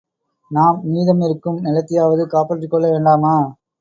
நாம் மீதம் இருக்கும் நிலத்தையாவது காப்பாற்றிக் கொள்ள வேண்டாமா?